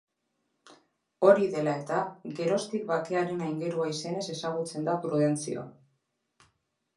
Hori dela eta, geroztik Bakearen Aingerua izenez ezagutzen da Prudentzio.